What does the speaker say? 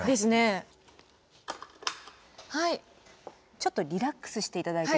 ちょっとリラックスして頂いて。